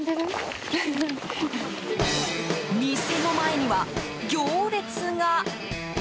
店の前には行列が。